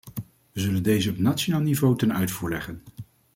We zullen deze op nationaal niveau ten uitvoer leggen.